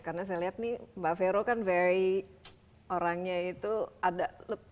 karena saya lihat nih mbak vero kan very orangnya itu ada wise ya dalam